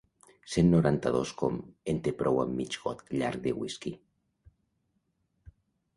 Cent noranta-dos com, en té prou amb mig got llarg de whisky.